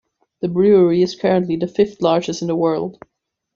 The brewery is currently the fifth largest in the world.